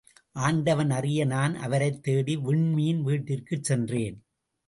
ஆண்டவன் அறிய நான் அவரைத் தேடி, விண்மீன் வீட்டிற்குச் சென்றேன்.